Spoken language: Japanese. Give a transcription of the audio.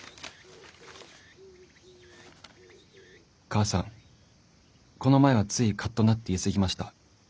「母さんこの前はついカッとなって言い過ぎました。